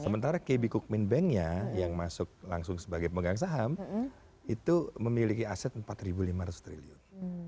sementara kb kukmin banknya yang masuk langsung sebagai pemegang saham itu memiliki aset empat lima ratus triliun